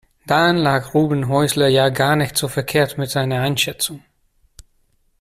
Dann lag Ruben Häusler ja gar nicht so verkehrt mit seiner Einschätzung.